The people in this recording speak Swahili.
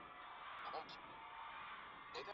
Mapenzi ni tamu mwana.